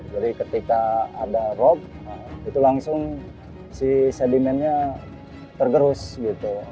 jadi ketika ada rob itu langsung si sedimennya tergerus gitu